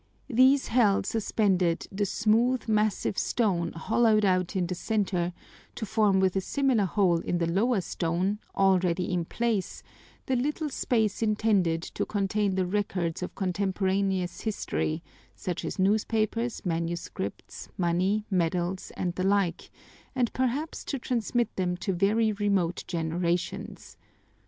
These held suspended the smooth, massive stone hollowed out in the center to form with a similar hole in the lower stone, already in place, the little space intended to contain the records of contemporaneous history, such as newspapers, manuscripts, money, medals, and the like, and perhaps to transmit them to very remote generations.